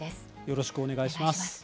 よろしくお願いします。